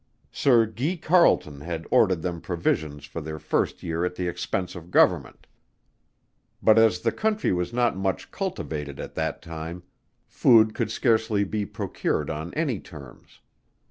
Sir GUY CARLETON had ordered them provisions for the first year at the expense of Government; but as the country was not much cultivated at that time, food could scarcely be procured on any terms.